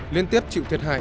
liên tiếp chịu thiệt hại